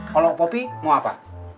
kalau popi mau apa